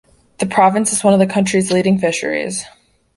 The province is one of the country's leading fisheries.